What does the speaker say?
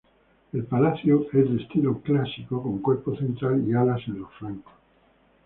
El Palacio es de estilo clásico, con cuerpo central y alas en los flancos.